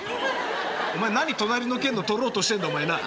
お前何隣の県の取ろうとしてんだお前なあ。